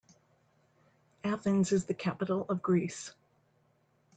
Athens is the capital of Greece.